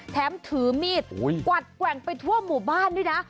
แถมถือมีดกวัดแกว่งไปทั่วหมู่บ้านด้วยนะ